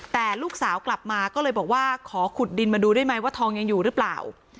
แต่ลูกสาวกลับมาก็เลยบอกว่าขอขุดดินมาดูได้ไหมว่าทองยังอยู่หรือเปล่า